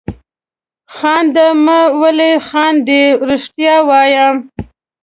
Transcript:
خانده مه ولې خاندې؟ رښتیا وایم.